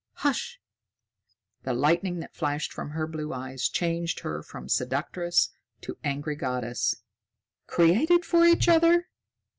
"Hush!" The lightning that flashed from her blue eyes changed her from seductress to angry goddess. "Created for each other!